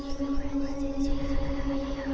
seram nenek gayung